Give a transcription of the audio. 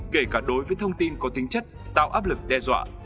kể cả đối với thông tin có tính chất tạo áp lực đe dọa